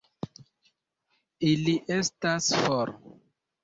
Ili estas for!